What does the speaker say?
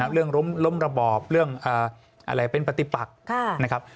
เรื่องล้มระบอบเรื่องเป็นปฏิปักษ์นะครับ